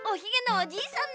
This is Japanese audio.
おじいさん？